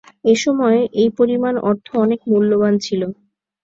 এসময় এই পরিমাণ অর্থ অনেক মূল্যবান ছিল।